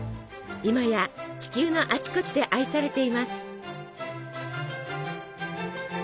今や地球のあちこちで愛されています。